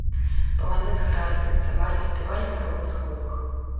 Паланез гралі, танцавалі, спявалі на розных мовах.